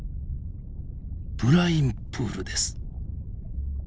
ブラインプールです！